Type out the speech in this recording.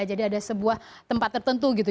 jadi ada sebuah tempat tertentu gitu